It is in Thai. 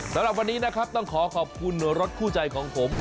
สำหรับวันนี้นะครับต้องขอขอบคุณรถคู่ใจของผม